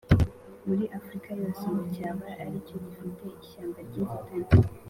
muri Afurika yose ngo cyaba ari cyo gifite ishyamba ry’inzitane